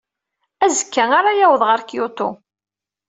Azekka ara yaweḍ ɣer Kyoto.